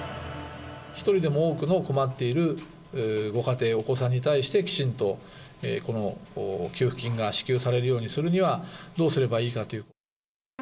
１人でも多くの困っているご家庭、お子さんに対して、きちんとこの給付金が支給されるようにするにはどうすればいいかという。